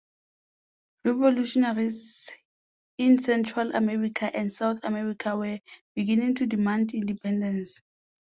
Revolutionaries in Central America and South America were beginning to demand independence.